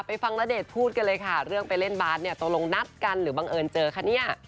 ไปฟังณเดชน์พูดกันเลยค่ะเรื่องไปเล่นบาร์ดตรงนัดกันหรือบังเอิญเจอคะ